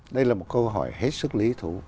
đây là một câu hỏi hết sức lý thú